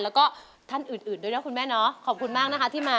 แล้วก็ท่านอื่นด้วยนะคุณแม่เนาะขอบคุณมากนะคะที่มา